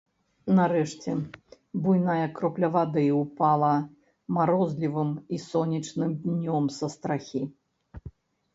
Нарэшце буйная кропля вады ўпала марозлівым і сонечным днём са страхі.